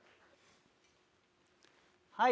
はい。